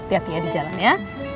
tia tia di jalan ya